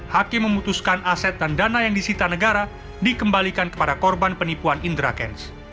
hakim memutuskan aset dan dana yang disita negara dikembalikan kepada korban penipuan indra kents